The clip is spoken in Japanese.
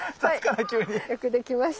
よくできました。